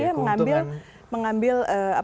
karena dia mengambil